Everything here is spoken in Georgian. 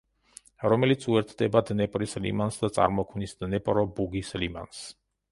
რომელიც უერთდება დნეპრის ლიმანს და წარმოქმნის დნეპრო-ბუგის ლიმანს.